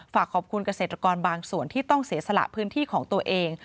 ฝากขอบคุณเกษตรกรบางส่วนที่ต้องเสียสละพื้นที่ของตัวเอง